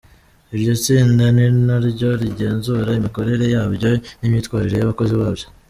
Iryo tsinda ni na ryo rigenzura imikorere yabyo n’imyitwarire y’abakozi babyo.